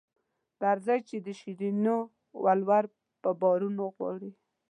درځئ چې د شیرینو ولور په بارونو غواړي.